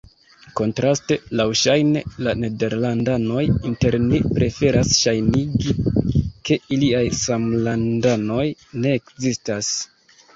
Kontraste, laŭŝajne, la nederlandanoj inter ni preferas ŝajnigi, ke iliaj samlandanoj ne ekzistas.